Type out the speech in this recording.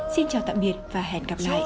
xin chào tạm biệt và hẹn gặp lại